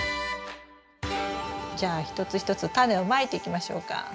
じゃあ一つ一つタネをまいていきましょうか。